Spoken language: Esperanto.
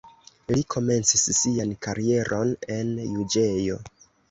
Li komencis sian karieron en juĝejo.